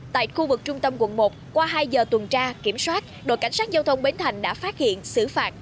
tại khu vực trung tâm quận một qua hai giờ tuần tra kiểm soát đội cảnh sát giao thông bến thành đã phát hiện xử phạt